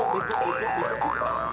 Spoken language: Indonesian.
bikuk bikuk bikuk